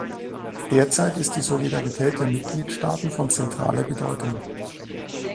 Derzeit ist die Solidarität der Mitgliedstaaten von zentraler Bedeutung.